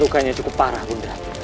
lukanya cukup parah bunda